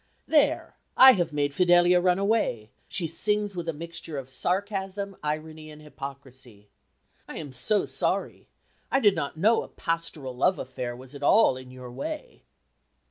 "There! I have made Fidelia run away," she sings with a mixture of sarcasm, irony, and hypocrisy. "I am so sorry. I did not know a pastoral love affair was at all in your way."